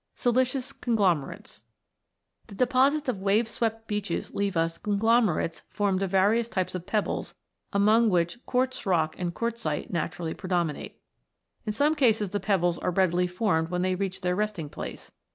SILICEOUS CONGLOMERATES The deposits of wave swept beaches leave us Conglomerates formed of various types of pebbles, among which quartz rock and quartzite naturally predominate. In some cases the pebbles are ready formed when they reach their resting place.